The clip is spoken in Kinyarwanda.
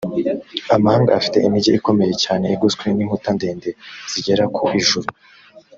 amahanga afite imigi ikomeye cyane igoswe n’inkuta ndende zigera ku ijuru